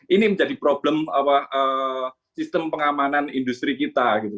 ini menjadi problem sistem pengamanan industri kita gitu